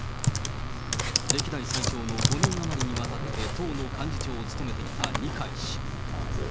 歴代最長の５年余りにわたって党の幹事長を務めてきた二階氏。